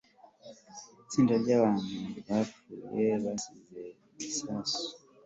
Itsinda ryabantu bapfuye bazize igisasu